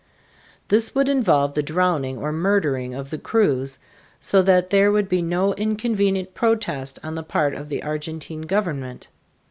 This would involve the drowning or murdering of the crews, so that there would be no inconvenient protest on the part of the Argentine government.